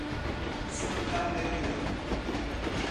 Santa Amélia